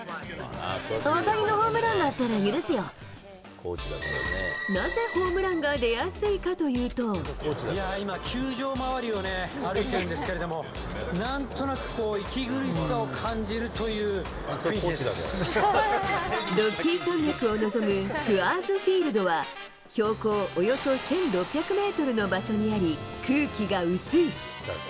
大谷のホームランだったら許なぜホームランが出やすいか今、球場周りを歩いてるんですけれども、なんとなくこう、ロッキー山脈を望むクアーズフィールドは、標高およそ１６００メートルの場所にあり、空気が薄い。